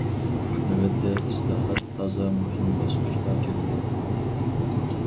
نۆۋەتتە، ئىسلاھات تازا مۇھىم باسقۇچقا كىردى.